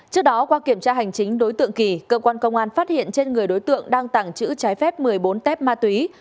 trước đó qua kiểm tra hành chính đối tượng kỳ cơ quan công an phát hiện trên người đối tượng đang tàng trữ trái phép một mươi bốn tép ma túy